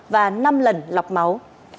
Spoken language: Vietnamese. và năm lần lọc máu